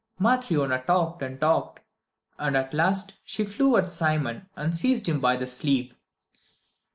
Matryona talked and talked, and at last she flew at Simon and seized him by the sleeve.